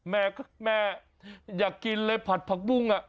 แม่แม่อยากกินเลยผัดผักบุ้ง